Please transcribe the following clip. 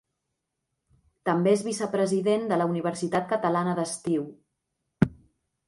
També és vicepresident de la Universitat Catalana d'Estiu.